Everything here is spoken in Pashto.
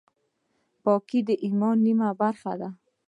پاکي د ایمان نیمه برخه ده.